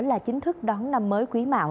là chính thức đón năm mới quý mạo